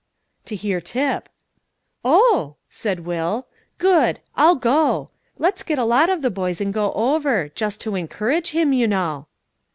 "To hear Tip." "Oh!" said Will; "good! I'll go. Let's get a lot of the boys and go over; just to encourage him, you know."